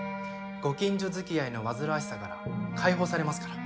ご近所づきあいの煩わしさから解放されますから。